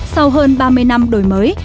sau hơn ba mươi năm đổi mới